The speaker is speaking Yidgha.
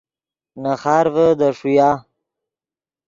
نے خارڤے دے ݰویا